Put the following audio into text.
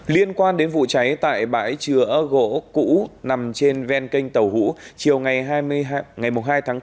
liên quan đến vụ cháy tại bãi chữa gỗ cũ nằm trên ven kênh tàu hũ chiều ngày một mươi hai tháng bốn